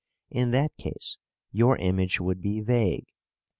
In that case your image would be vague.